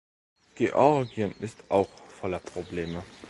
Georgien ist auch voller Probleme.